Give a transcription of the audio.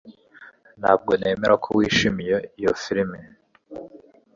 Ntabwo nemera ko wishimiye iyo firime